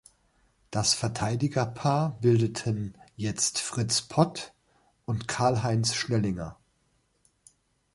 Das Verteidigerpaar bildeten jetzt Fritz Pott und Karl-Heinz Schnellinger.